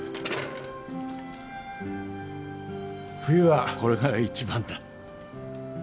冬はこれが一番だ。